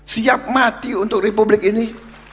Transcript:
siap mati untuk republik ini